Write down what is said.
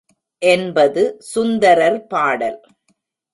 என்பது சுந்தரர் பாடல்.